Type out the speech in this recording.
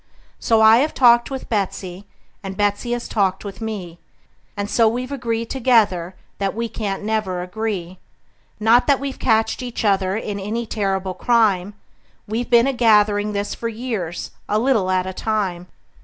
So I have talked with Betsey, and Betsey has talked with me, And so we've agreed together that we can't never agree; Not that we've catched each other in any terrible crime; We've been a gathering this for years, a little at a time.